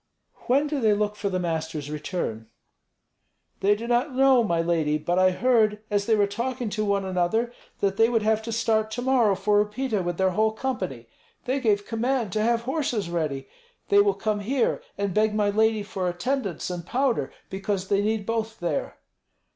"When do they look for the master's return?" "They do not know, my lady. But I heard, as they were talking to one another, that they would have to start to morrow for Upita with their whole company. They gave command to have horses ready. They will come here and beg my lady for attendants and powder, because they need both there."